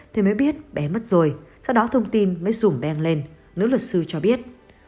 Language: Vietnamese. thì mới biết bé mất rồi sau đó thông tin mới rủng bèn lên nữ luật sư cho biết